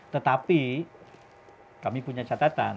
tetapi kami punya catatan